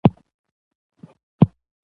د نوو لغاتونو جوړول ځان ته ځانګړي اصول لري.